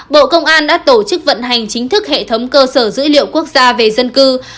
bộ công an đã tổ chức vận hành chính thức hệ thống cơ sở dữ liệu quốc gia về dân cư